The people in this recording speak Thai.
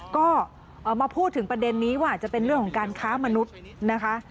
ก็มาพูดถึงประเด็นนี้ว่าจะเป็นเรื่องของการค้ามนุษย์นะคะ